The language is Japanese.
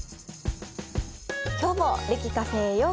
今日も歴Ｃａｆｅへようこそ。